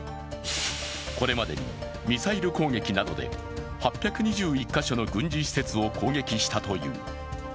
これまでにミサイル攻撃などで８２１カ所の軍事施設を攻撃したという。